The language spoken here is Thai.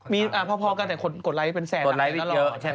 มีพอกันแต่คนกดไลก์เป็นแสนอันนั้นเหรอ